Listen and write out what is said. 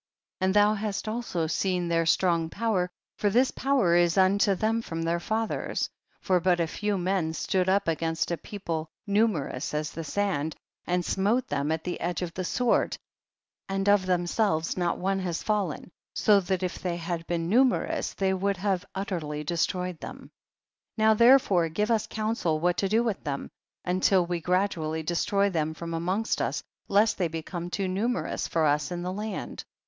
4. And thou hast also seen their strong power, for this power is unto them from their fathers, for but a few men stood up against a people nu merous as the sand, and smote them at the edge of the sword, and of them selves not one has fallen, so that if they had been numerous they would then have utterly destroyed them. 5. Now therefore give us counsel what to do with them, until we gra dually destroy them from amongst us, lest they become too numerous for us in the land.